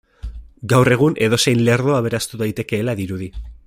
Gaur egun edozein lerdo aberastu daitekeela dirudi.